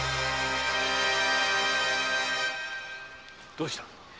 どうした？